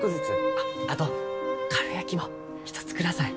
あっあとかるやきも１つください。